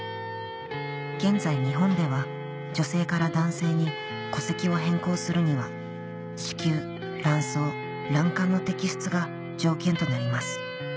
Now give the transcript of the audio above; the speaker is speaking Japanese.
現在日本では女性から男性に戸籍を変更するには子宮卵巣卵管の摘出が条件となります